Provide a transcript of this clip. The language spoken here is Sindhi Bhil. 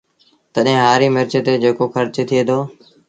تڏهيݩ هآريٚ مرچ تي جيڪو کرچ ٿئي دو